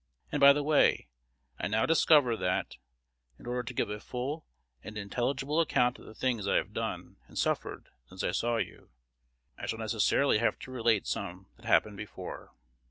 And, by the way, I now discover, that, in order to give a full and inteligible account of the things I have done and suffered since I saw you, I shall necessarily have to relate some that happened before.